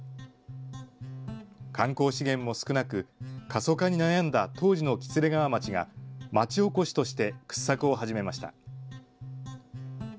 観光資源も少なく、過疎化に悩んだ当時の喜連川町が、町おこしとして掘削を始めました。